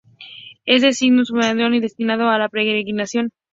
Es de signo funerario y destinado a la peregrinación.